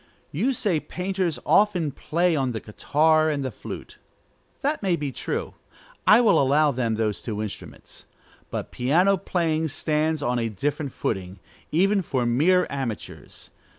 You say painters often play on the guitar and the flute. That may be true: I will allow them those two instruments. But piano playing stands on a different footing, even for mere amateurs.